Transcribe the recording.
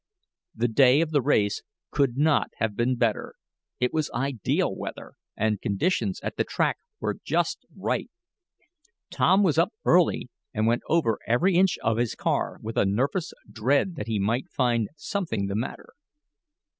The day of the race could not have been better. It was ideal weather, and conditions at the track were just right. Tom was up early, and went over every inch of his car with a nervous dread that he might find something the matter.